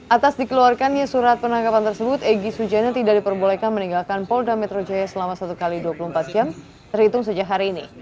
atas dikeluarkannya surat penangkapan tersebut egy sujana tidak diperbolehkan meninggalkan polda metro jaya selama satu x dua puluh empat jam terhitung sejak hari ini